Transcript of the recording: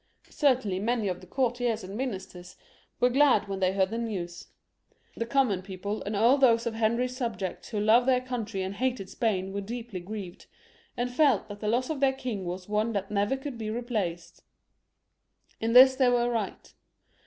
Certainly many of the courtiers and ministers were glad when they heard the news. The common people and all those of Henry's subjects who loved their country and hated Spain were deeply grieved, and felt that the loss of their king was one that never could be repaired. In this they were right.